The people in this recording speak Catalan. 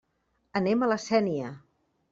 Anem a La Sénia.